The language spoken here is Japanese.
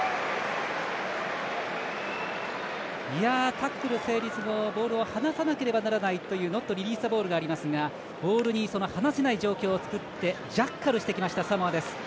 タックル成立後、ボールを放さなければならないノットリリースザボールがありますがボール放せない状況を作ってジャッカルしてきましたサモアです。